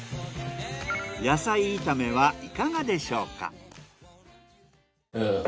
野菜炒めはいかがでしょうか？